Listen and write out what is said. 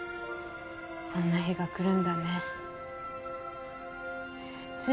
こんな日が来るんだねつい